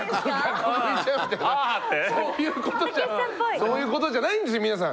そういうことじゃないんです皆さん。